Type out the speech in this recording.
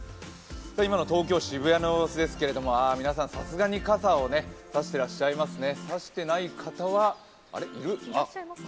今の東京・渋谷の様子ですが皆さんさすがに傘を差してらっしゃいますね。